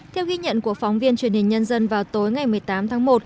theo ghi nhận của phóng viên truyền hình nhân dân vào tối ngày một mươi tám tháng một